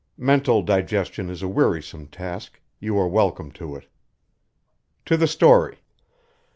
Mental digestion is a wearisome task; you are welcome to it. To the story.